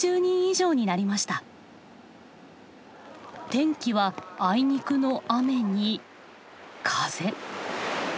天気はあいにくの雨に風。